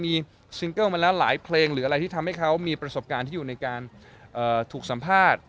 มีซิงเกิลมาแล้วหลายเพลงหรืออะไรที่ทำให้เขามีประสบการณ์ที่อยู่ในการถูกสัมภาษณ์